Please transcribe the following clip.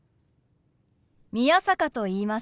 宮坂と言います。